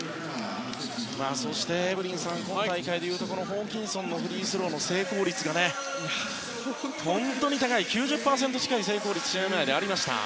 そして、エブリンさん今大会でいうとホーキンソンのフリースローの成功率が本当に高い、９０％近い成功率が試合前にありました。